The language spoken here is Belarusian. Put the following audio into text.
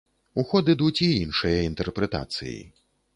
У ход ідуць і іншыя інтэрпрэтацыі.